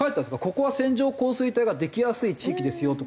ここは線状降水帯ができやすい地域ですよとか。